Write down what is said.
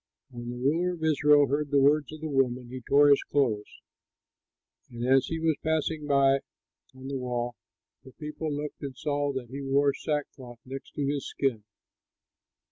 When the ruler of Israel heard the words of the woman, he tore his clothes; and as he was passing by on the wall, the people looked and saw that he wore sackcloth next to his skin.